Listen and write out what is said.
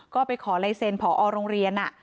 ก็ไปขอไลเซนผอโรงเรียนอ่ะ